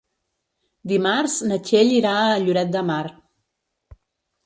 Dimarts na Txell irà a Lloret de Mar.